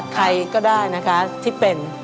ใครก็ได้นะคะที่เป็น